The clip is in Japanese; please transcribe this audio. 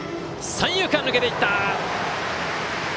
三遊間、抜けていった！